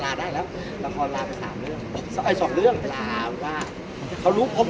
พี่อัดมาสองวันไม่มีใครรู้หรอก